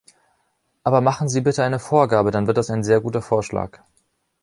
Aber machen Sie bitte eine Vorgabe, dann wird das ein sehr guter Vorschlag!